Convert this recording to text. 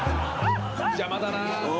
邪魔だな。